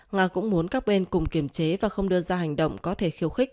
nga cũng muốn các bên cùng kiềm chế và không đưa ra hành động có thể khiêu khích